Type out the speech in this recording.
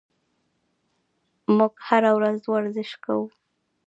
موږ هره ورځ ورزش کوو.